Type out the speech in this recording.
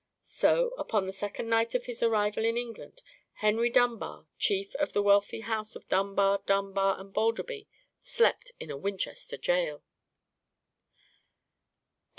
So, upon the second night of his arrival in England, Henry Dunbar, chief of the wealthy house of Dunbar, Dunbar, and Balderby, slept in Winchester gaol.